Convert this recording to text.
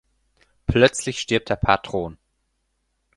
Plötzlich stirbt der Patron.